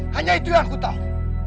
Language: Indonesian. hanya itu yang aku tahu